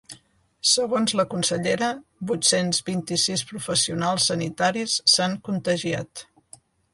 Segons la consellera, vuit-cents vint-i-sis professionals sanitaris s’han contagiat.